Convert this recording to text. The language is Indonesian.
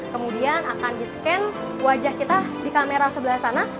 kemudian akan di scan wajah kita di kamera sebelah sana